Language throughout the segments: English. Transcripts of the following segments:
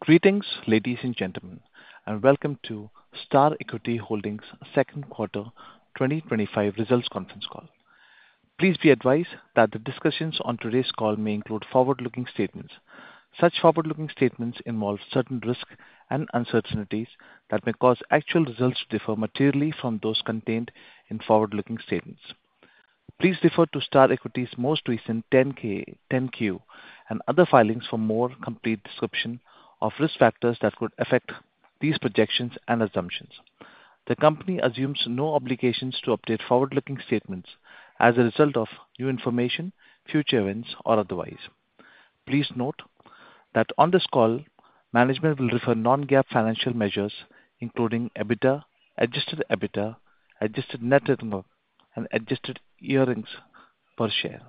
Greetings, ladies and gentlemen, and welcome to Star Equity Holdings' Second Quarter 2025 Results Conference Call. Please be advised that the discussions on today's call may include forward-looking statements. Such forward-looking statements involve certain risks and uncertainties that may cause actual results to differ materially from those contained in forward-looking statements. Please refer to Star Equity's most recent 10-K, 10-Q, and other filings for a more complete description of risk factors that could affect these projections and assumptions. The company assumes no obligations to update forward-looking statements as a result of new information, future events, or otherwise. Please note that on this call, management will refer to non-GAAP financial measures, including EBITDA, adjusted EBITDA, adjusted net return, and adjusted earnings per share,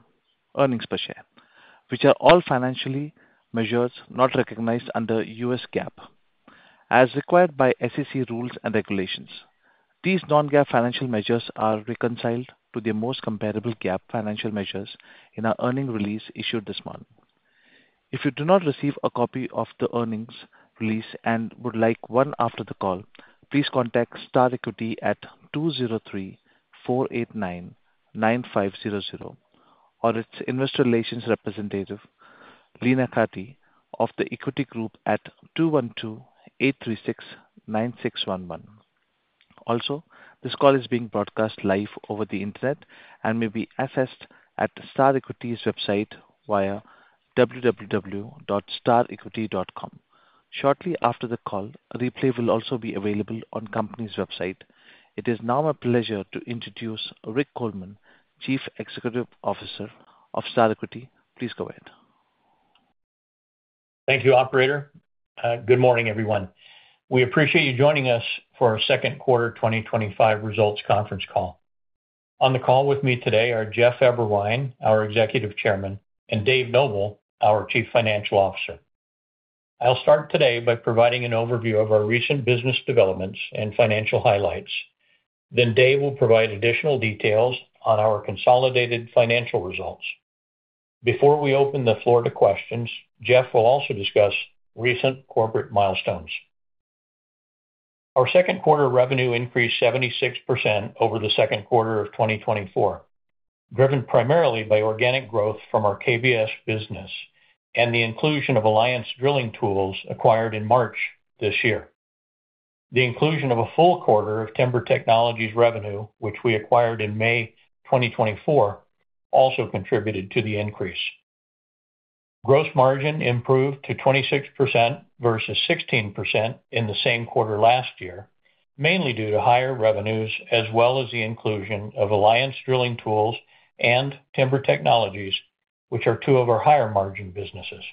which are all financial measures not recognized under U.S. GAAP, as required by SEC rules and regulations. These non-GAAP financial measures are reconciled to the most comparable GAAP financial measures in our earnings release issued this month. If you do not receive a copy of the earnings release and would like one after the call, please contact Star Equity at 203-489-9500 or its Investor Relations Representative, Lena Cati, of the Equity Group at 212-836-9611. Also, this call is being broadcast live over the internet and may be accessed at Star Equity's website via www.starequity.com. Shortly after the call, a replay will also be available on the company's website. It is now my pleasure to introduce Rick Coleman, Chief Executive Officer of Star Equity. Please go ahead. Thank you, Operator. Good morning, everyone. We appreciate you joining us for our second quarter 2025 results conference call. On the call with me today are Jeff Eberwein, our Executive Chairman, and David Noble, our Chief Financial Officer. I'll start today by providing an overview of our recent business developments and financial highlights. David will provide additional details on our consolidated financial results. Before we open the floor to questions, Jeff will also discuss recent corporate milestones. Our second quarter revenue increased 76% over the second quarter of 2024, driven primarily by organic growth from our KBS business and the inclusion of Alliance Drilling Tools acquired in March this year. The inclusion of a full quarter of Timber Technologies revenue, which we acquired in May 2024, also contributed to the increase. Gross margin improved to 26% versus 16% in the same quarter last year, mainly due to higher revenues as well as the inclusion of Alliance Drilling Tools and Timber Technologies, which are two of our higher margin businesses.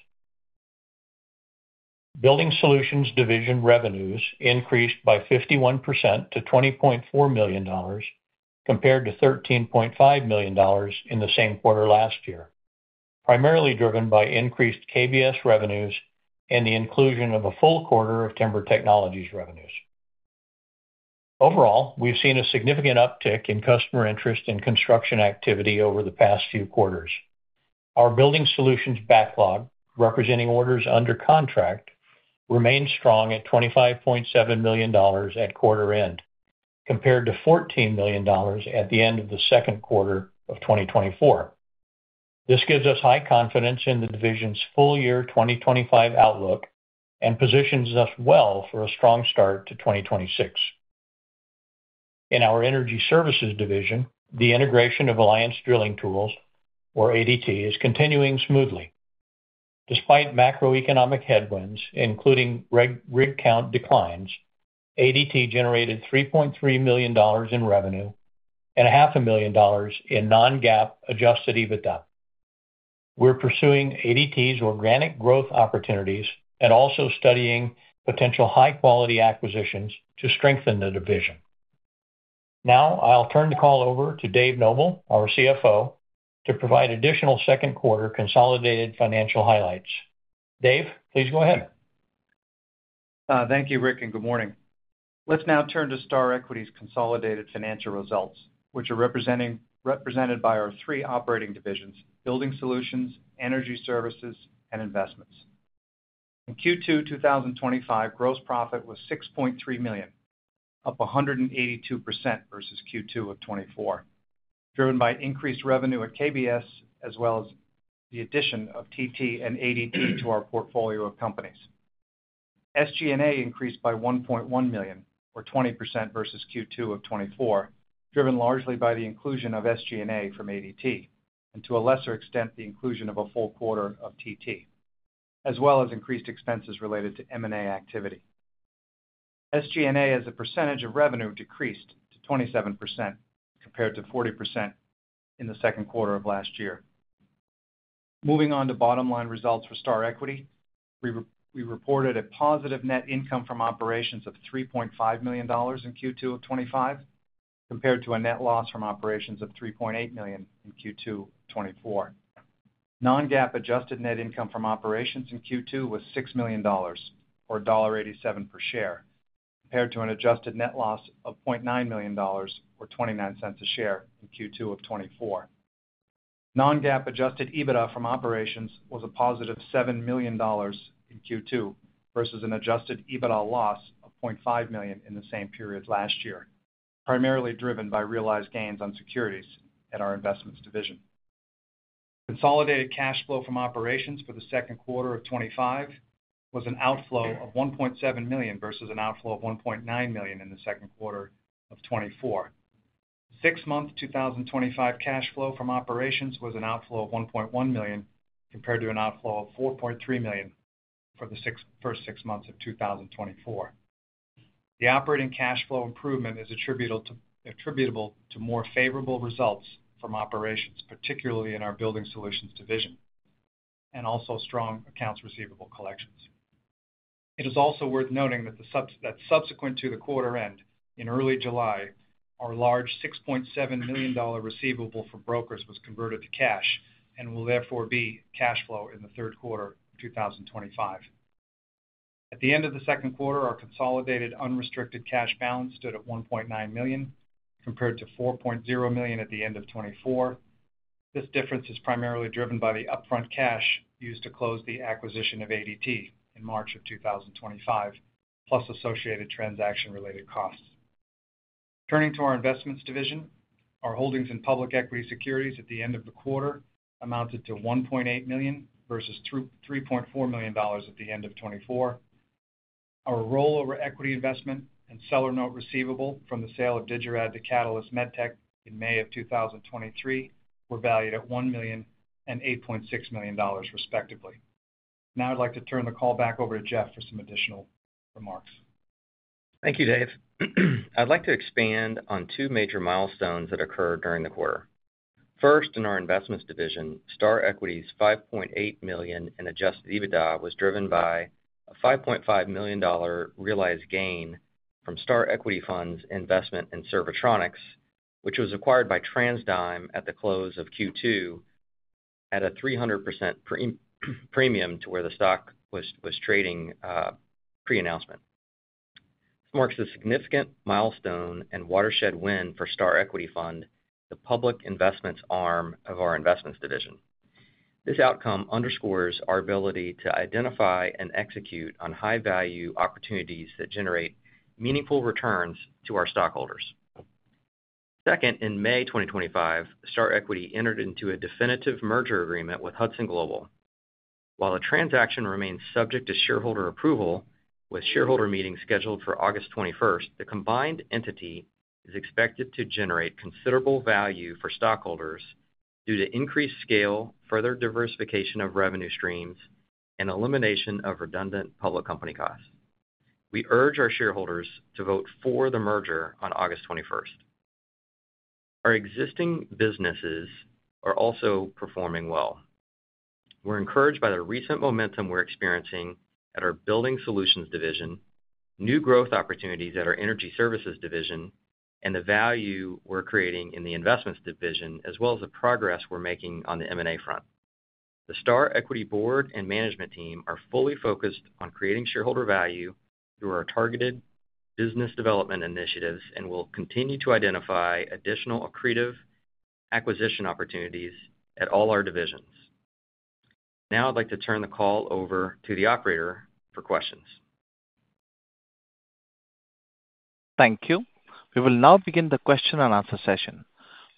Building Solutions division revenues increased by 51% to $20.4 million compared to $13.5 million in the same quarter last year, primarily driven by increased KBS revenues and the inclusion of a full quarter of Timber Technologies revenues. Overall, we've seen a significant uptick in customer interest in construction activity over the past few quarters. Our Building Solutions backlog, representing orders under contract, remains strong at $25.7 million at quarter end, compared to $14 million at the end of the second quarter of 2024. This gives us high confidence in the division's full-year 2025 outlook and positions us well for a strong start to 2026. In our Energy Services division, the integration of Alliance Drilling Tools, or ADT, is continuing smoothly. Despite macroeconomic headwinds, including rig count declines, ADT generated $3.3 million in revenue and $500,000 in non-GAAP adjusted EBITDA. We're pursuing ADT's organic growth opportunities and also studying potential high-quality acquisitions to strengthen the division. Now, I'll turn the call over to David Noble, our CFO, to provide additional second quarter consolidated financial highlights. David, please go ahead. Thank you, Rick, and good morning. Let's now turn to Star Equity's consolidated financial results, which are represented by our three operating divisions: Building Solutions, Energy Services, and Investments. In Q2 2025, gross profit was $6.3 million, up 182% versus Q2 of 2024, driven by increased revenue at KBS as well as the addition of TT and ADT to our portfolio of companies. SG&A increased by $1.1 million, or 20% versus Q2 of 2024, driven largely by the inclusion of SG&A from ADT and, to a lesser extent, the inclusion of a full quarter of TT, as well as increased expenses related to M&A activity. SG&A, as a percentage of revenue, decreased to 27% compared to 40% in the second quarter of last year. Moving on to bottom line results for Star Equity, we reported a positive net income from operations of $3.5 million in Q2 of 2025 compared to a net loss from operations of $3.8 million in Q2 of 2024. Non-GAAP adjusted net income from operations in Q2 was $6 million, or $1.87 per share, compared to an adjusted net loss of $0.9 million, or $0.29 a share in Q2 of 2024. Non-GAAP adjusted EBITDA from operations was a +$7 million in Q2 versus an adjusted EBITDA loss of $0.5 million in the same period as last year, primarily driven by realized gains on securities at our Investments division. Consolidated cash flow from operations for the second quarter of 2025 was an outflow of $1.7 million versus an outflow of $1.9 million in the second quarter of 2024. The six-month 2025 cash flow from operations was an outflow of $1.1 million compared to an outflow of $4.3 million for the first six months of 2024. The operating cash flow improvement is attributable to more favorable results from operations, particularly in our Building Solutions division, and also strong accounts receivable collections. It is also worth noting that subsequent to the quarter end in early July, our large $6.7 million receivable for brokers was converted to cash and will therefore be cash flow in the third quarter of 2025. At the end of the second quarter, our consolidated unrestricted cash balance stood at $1.9 million compared to $4.0 million at the end of 2024. This difference is primarily driven by the upfront cash used to close the acquisition of ADT in March of 2025, plus associated transaction-related costs. Turning to our Investments division, our holdings in public equity securities at the end of the quarter amounted to $1.8 million versus $3.4 million at the end of 2024. Our rollover equity investment and seller note receivable from the sale of Digirad to Catalyst MedTech in May of 2023 were valued at $1 million and $8.6 million, respectively. Now I'd like to turn the call back over to Jeff for some additional remarks. Thank you, Dave. I'd like to expand on two major milestones that occurred during the quarter. First, in our Investments division, Star Equity's $5.8 million in adjusted EBITDA was driven by a $5.5 million realized gain from Star Equity Fund's investment in Servotronics, which was acquired by TransDigm at the close of Q2 at a 300% premium to where the stock was trading pre-announcement. This marks a significant milestone and watershed win for Star Equity Fund, the public investments arm of our Investments division. This outcome underscores our ability to identify and execute on high-value opportunities that generate meaningful returns to our stockholders. Second, in May 2025, Star Equity entered into a definitive merger agreement with Hudson Global. While the transaction remains subject to shareholder approval, with shareholder meetings scheduled for August 21st, the combined entity is expected to generate considerable value for stockholders due to increased scale, further diversification of revenue streams, and elimination of redundant public company costs. We urge our shareholders to vote for the merger on August 21st. Our existing businesses are also performing well. We're encouraged by the recent momentum we're experiencing at our Building Solutions division, new growth opportunities at our Energy Services division, and the value we're creating in the Investments division, as well as the progress we're making on the M&A front. The Star Equity Board and Management team are fully focused on creating shareholder value through our targeted business development initiatives and will continue to identify additional accretive acquisition opportunities at all our divisions. Now I'd like to turn the call over to the operator for questions. Thank you. We will now begin the question and answer session.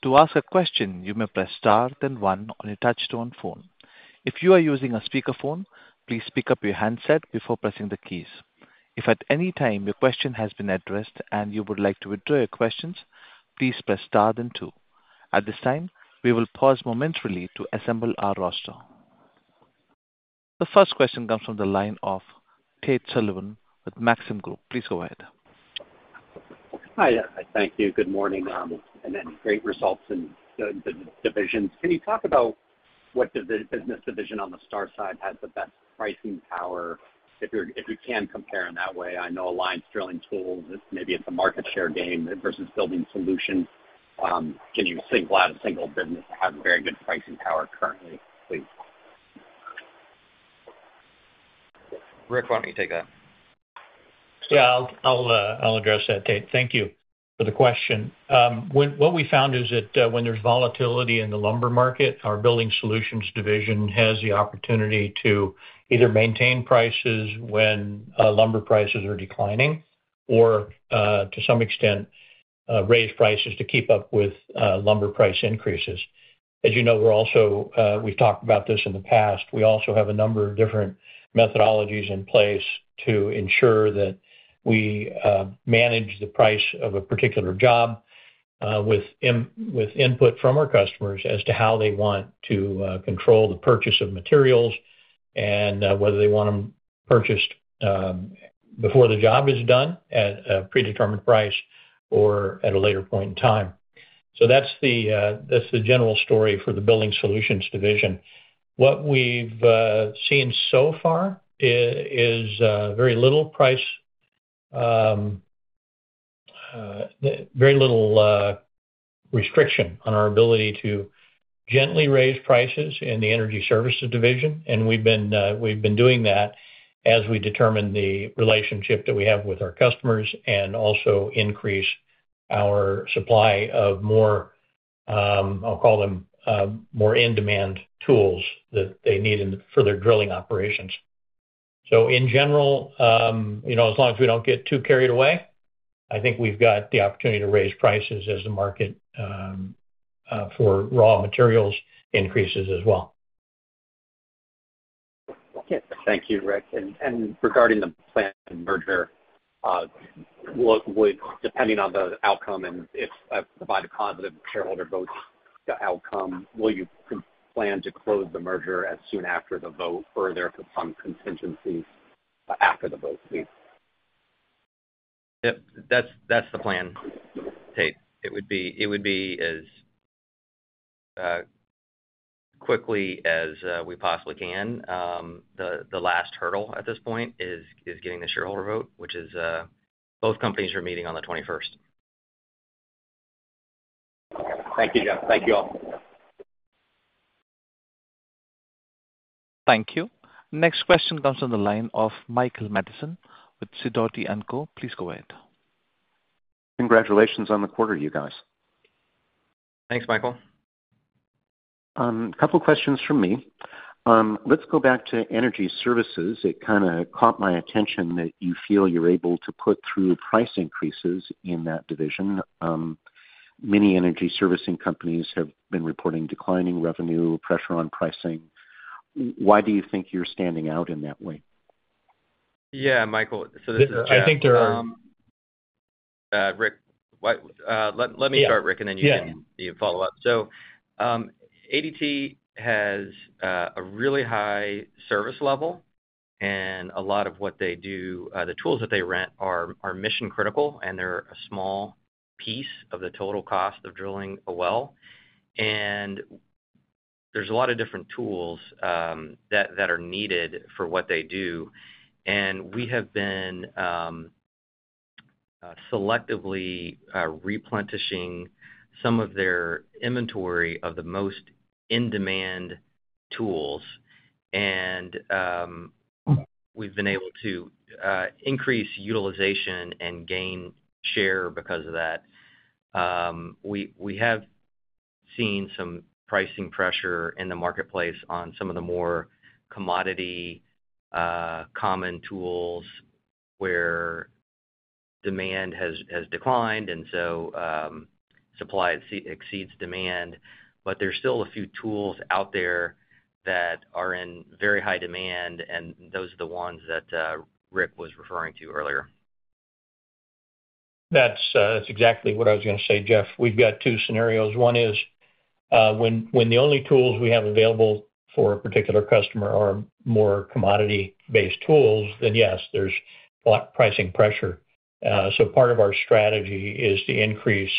To ask a question, you may press star then one on your touch-tone phone. If you are using a speakerphone, please pick up your handset before pressing the keys. If at any time your question has been addressed and you would like to withdraw your questions, please press star then two. At this time, we will pause momentarily to assemble our roster. The first question comes from the line of Tate Sullivan with Maxim Group. Please go ahead. Hi, thank you. Good morning. Great results in the divisions. Can you talk about what the business division on the Star side has the best pricing power? If you can compare in that way, I know Alliance Drilling Tools, maybe it's a market share game versus Building Solutions. Can you single out a single business that has very good pricing power currently, please? Richard, why don't you take that? Yeah, I'll address that, Tate. Thank you for the question. What we found is that when there's volatility in the lumber market, our Building Solutions division has the opportunity to either maintain prices when lumber prices are declining or, to some extent, raise prices to keep up with lumber price increases. As you know, we've also talked about this in the past, we also have a number of different methodologies in place to ensure that we manage the price of a particular job with input from our customers as to how they want to control the purchase of materials and whether they want them purchased before the job is done at a predetermined price or at a later point in time. That's the general story for the Building Solutions division. What we've seen so far is very little restriction on our ability to gently raise prices in the Energy Services division, and we've been doing that as we determine the relationship that we have with our customers and also increase our supply of more, I'll call them more in-demand tools that they need for their drilling operations. In general, as long as we don't get too carried away, I think we've got the opportunity to raise prices as the market for raw materials increases as well. Thank you, Rick. Regarding the planned merger, depending on the outcome and if by the positive shareholder vote outcome, will you plan to close the merger as soon after the vote, or are there some contingencies after the vote, please? That's the plan, Tate. It would be as quickly as we possibly can. The last hurdle at this point is getting the shareholder vote, which is both companies are meeting on the 21st. Thank you, Jeff. Thank you all. Thank you. Next question comes from the line of Michael Mathison with Sidoti & Co. Please go ahead. Congratulations on the quarter, you guys. Thanks, Michael. A couple of questions from me. Let's go back to Energy Services. It kind of caught my attention that you feel you're able to put through price increases in that division. Many energy servicing companies have been reporting declining revenue, pressure on pricing. Why do you think you're standing out in that way? Yeah, Michael. I think there are, Rick, let me start, Rick, and then you can follow up. ADT has a really high service level, and a lot of what they do, the tools that they rent are mission-critical, and they're a small piece of the total cost of drilling a well. There are a lot of different tools that are needed for what they do. We have been selectively replenishing some of their inventory of the most in-demand tools, and we've been able to increase utilization and gain share because of that. We have seen some pricing pressure in the marketplace on some of the more commodity, common tools where demand has declined, so supply exceeds demand. There are still a few tools out there that are in very high demand, and those are the ones that Rick was referring to earlier. That's exactly what I was going to say, Jeff. We've got two scenarios. One is when the only tools we have available for a particular customer are more commodity-based tools, then yes, there's pricing pressure. Part of our strategy is to increase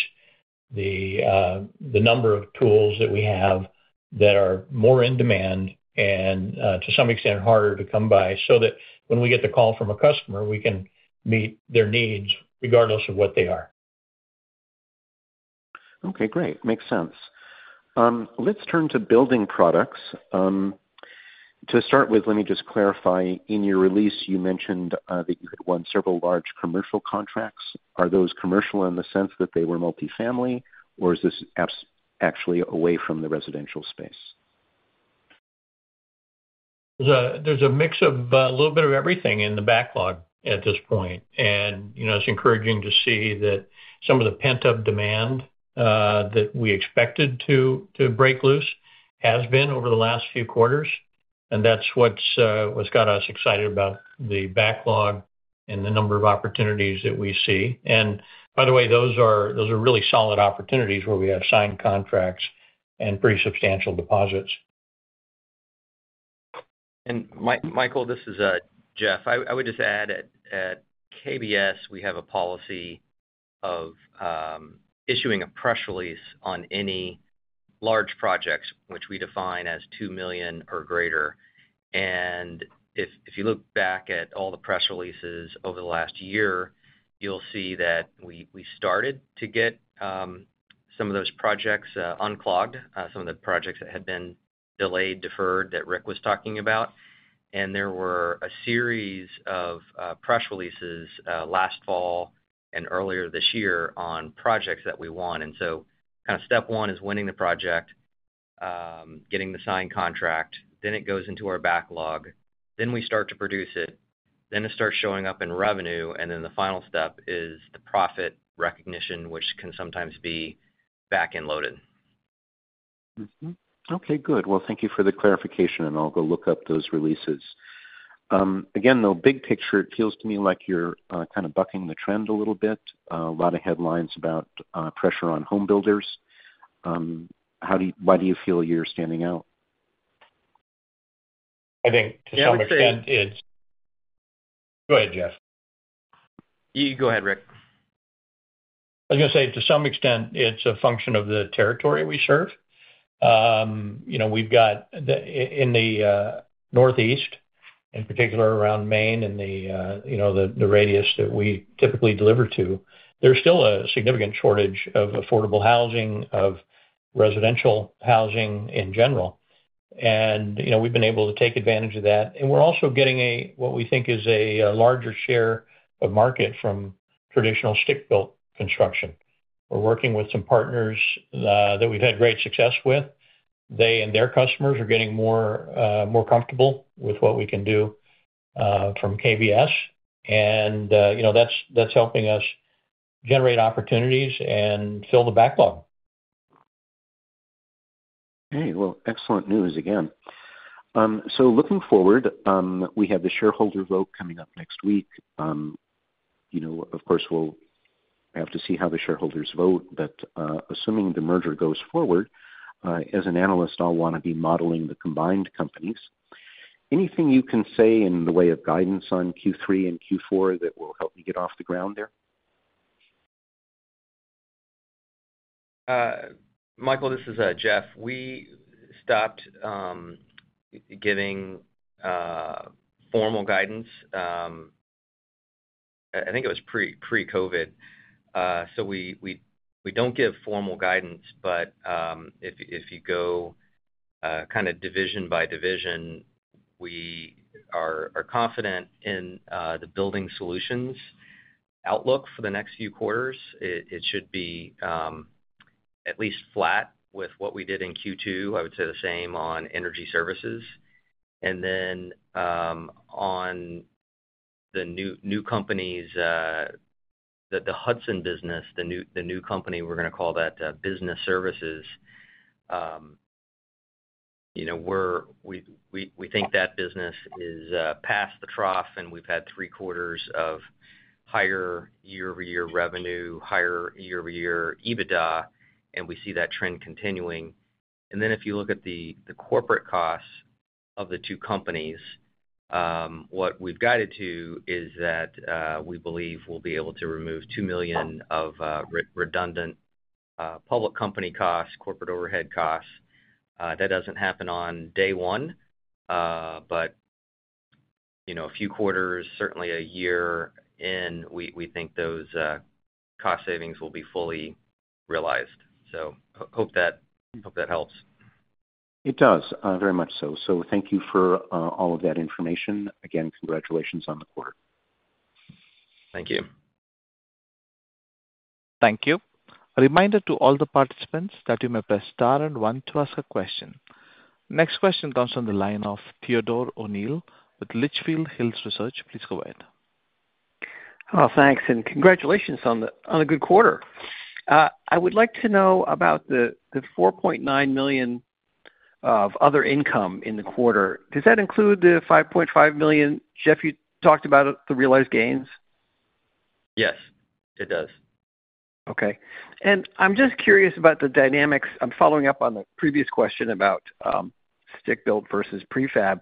the number of tools that we have that are more in demand and to some extent harder to come by so that when we get the call from a customer, we can meet their needs regardless of what they are. Okay, great. Makes sense. Let's turn to building products. To start with, let me just clarify, in your release, you mentioned that you had won several large commercial contracts. Are those commercial in the sense that they were multifamily, or is this actually away from the residential space? There's a mix of a little bit of everything in the backlog at this point, and you know it's encouraging to see that some of the pent-up demand that we expected to break loose has been over the last few quarters. That's what's got us excited about the backlog and the number of opportunities that we see. By the way, those are really solid opportunities where we have signed contracts and pretty substantial deposits. Michael, this is Jeff. I would just add at KBS, we have a policy of issuing a press release on any large projects, which we define as $2 million or greater. If you look back at all the press releases over the last year, you'll see that we started to get some of those projects unclogged, some of the projects that had been delayed, deferred that Rick was talking about. There were a series of press releases last fall and earlier this year on projects that we won. Step one is winning the project, getting the signed contract, then it goes into our backlog, then we start to produce it, then it starts showing up in revenue, and the final step is the profit recognition, which can sometimes be back and loaded. Okay, good. Thank you for the clarification. I'll go look up those releases. Again, though, big picture, it feels to me like you're kind of bucking the trend a little bit. A lot of headlines about pressure on home builders. Why do you feel you're standing out? I think to some extent, it's... Go ahead, Jeff. You go ahead, Rick. I was going to say, to some extent, it's a function of the territory we serve. We've got in the Northeast, in particular around Maine and the radius that we typically deliver to, there's still a significant shortage of affordable housing, of residential housing in general. We've been able to take advantage of that. We're also getting what we think is a larger share of market from traditional stick-built construction. We're working with some partners that we've had great success with. They and their customers are getting more comfortable with what we can do from KBS, and that's helping us generate opportunities and fill the backlog. Excellent news again. Looking forward, we have the shareholder vote coming up next week. Of course, we'll have to see how the shareholders vote, but assuming the merger goes forward, as an analyst, I'll want to be modeling the combined companies. Anything you can say in the way of guidance on Q3 and Q4 that will help me get off the ground there? Michael, this is Jeff. We stopped giving formal guidance. I think it was pre-COVID. We don't give formal guidance, but if you go kind of division by division, we are confident in the Building Solutions outlook for the next few quarters. It should be at least flat with what we did in Q2. I would say the same on Energy Services. On the new companies, the Hudson business, the new company we're going to call that Business Services, we think that business is past the trough and we've had three quarters of higher year-over-year revenue, higher year-over-year EBITDA, and we see that trend continuing. If you look at the corporate costs of the two companies, what we've guided to is that we believe we'll be able to remove $2 million of redundant public company costs, corporate overhead costs. That doesn't happen on day one, but a few quarters, certainly a year in, we think those cost savings will be fully realized. Hope that helps. It does, very much so. Thank you for all of that information. Again, congratulations on the quarter. Thank you. Thank you. A reminder to all the participants that you may press star then one to ask a question. Next question comes from the line of Theodore O'Neill with Litchfield Hills Research. Please go ahead. Thanks, and congratulations on a good quarter. I would like to know about the $4.9 million of other income in the quarter. Does that include the $5.5 million, Jeff, you talked about the realized gains? Yes, it does. Okay. I'm just curious about the dynamics. I'm following up on the previous question about stick-built versus prefab.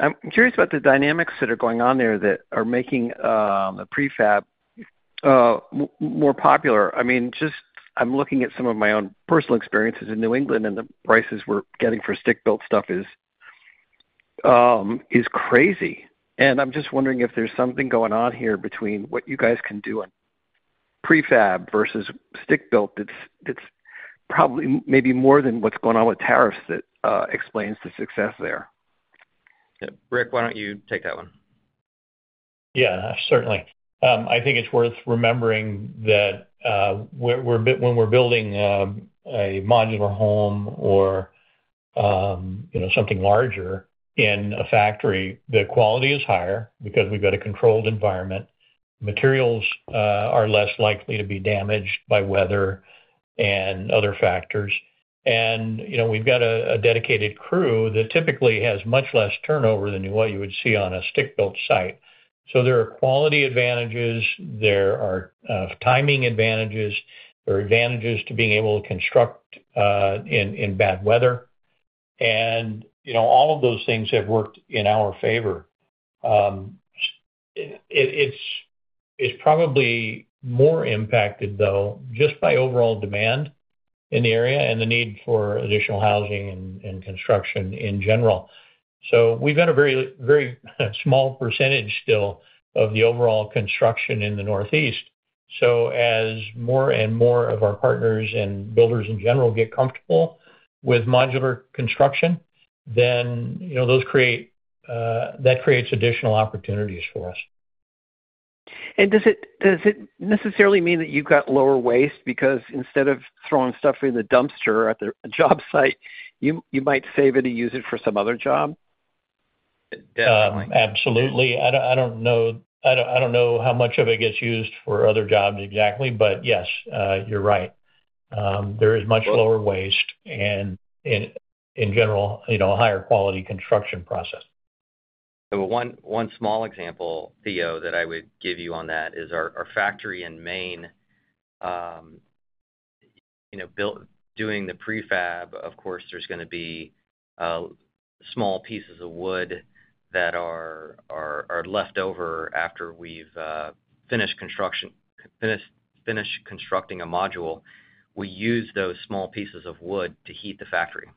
I'm curious about the dynamics that are going on there that are making the prefab more popular. I mean, I'm looking at some of my own personal experiences in New England, and the prices we're getting for stick-built stuff is crazy. I'm just wondering if there's something going on here between what you guys can do in prefab versus stick-built that's probably maybe more than what's going on with tariffs that explains the success there. Rick, why don't you take that one? Yeah, certainly. I think it's worth remembering that when we're building a modular home or something larger in a factory, the quality is higher because we've got a controlled environment. Materials are less likely to be damaged by weather and other factors. We've got a dedicated crew that typically has much less turnover than what you would see on a stick-built site. There are quality advantages, timing advantages, and advantages to being able to construct in bad weather. All of those things have worked in our favor. It's probably more impacted, though, just by overall demand in the area and the need for additional housing and construction in general. We've got a very, very small percentage still of the overall construction in the Northeast. As more and more of our partners and builders in general get comfortable with modular construction, that creates additional opportunities for us. Does it necessarily mean that you've got lower waste because instead of throwing stuff in the dumpster at the job site, you might save it and use it for some other job? Absolutely. I don't know how much of it gets used for other jobs exactly, but yes, you're right. There is much lower waste and in general, a higher quality construction process. One small example, Theo, that I would give you on that is our factory in Maine. You know, doing the prefab, of course, there's going to be small pieces of wood that are left over after we've finished constructing a module. We use those small pieces of wood to heat the factory.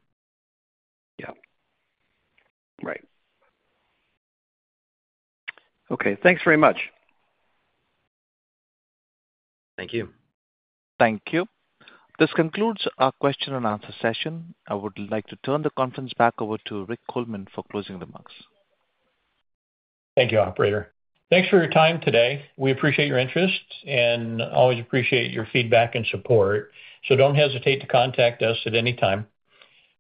Okay, thanks very much. Thank you. Thank you. This concludes our question and answer session. I would like to turn the conference back over to Richard Coleman for closing remarks. Thank you, Operator. Thanks for your time today. We appreciate your interest and always appreciate your feedback and support. Please do not hesitate to contact us at any time.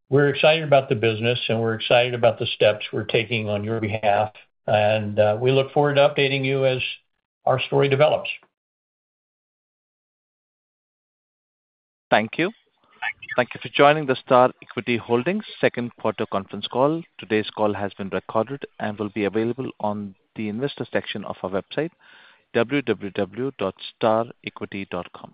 We are excited about the business and we are excited about the steps we are taking on your behalf. We look forward to updating you as our story develops. Thank you. Thank you for joining the Star Equity Holdings' Second Quarter Conference Call. Today's call has been recorded and will be available on the investor section of our website, www.starequity.com.